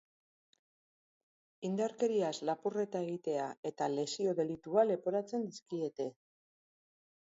Indarkeriaz lapurreta egitea eta lesio delitua leporatzen dizkiete.